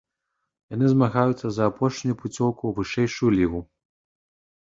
Яны змагаюцца за апошнюю пуцёўку ў вышэйшую лігу.